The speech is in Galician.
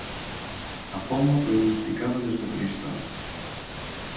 A pomba foi domesticada desde a prehistoria.